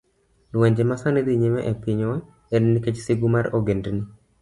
Lwenje ma sani dhi nyime e pinywa, en nikech sigu mar ogendni